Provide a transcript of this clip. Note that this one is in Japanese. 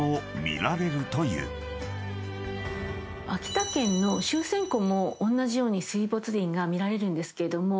秋田県の秋扇湖もおんなじように水没林が見られるんですけども